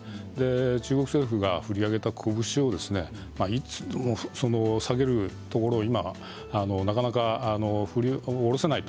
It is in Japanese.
中国政府が振り上げたこぶしを下げるところを今なかなか下ろせない。